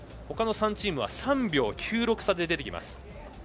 ほかの３チームは３秒９６差で出てきます。